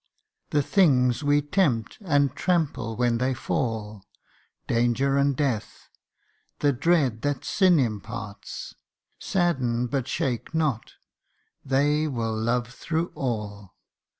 The things we tempt and trample when they fall, Danger and death the dread that sin imparts, Sadden, but shake not they will love through all.